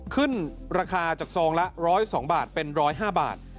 ขึ้นราคาจากซองละ๑๐๒บาทเป็น๑๐๕บาท